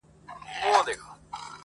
هغه کابل د ښو زلمیو وطن-